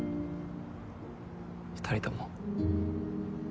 ２人とも。